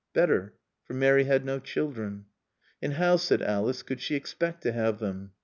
Better, for Mary had no children. "And how," said Alice, "could she expect to have them?"